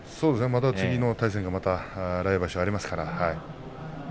次の対戦がまた来場所ありますから。